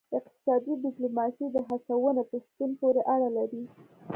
اقتصادي ډیپلوماسي د هڅونې په شتون پورې اړه لري